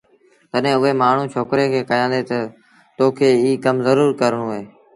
تڏهيݩ اُئي مآڻهوٚٚݩ ڇوڪري کي ڪهيآݩدي تا تا تو کي ايٚ ڪم زرُور ڪرڻو اهي